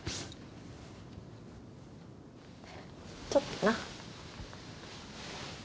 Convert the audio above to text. ちょっとな。